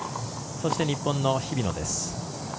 そして日本の日比野です。